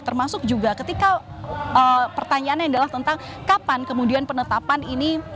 termasuk juga ketika pertanyaannya adalah tentang kapan kemudian penetapan ini